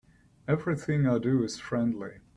Everything I do is friendly.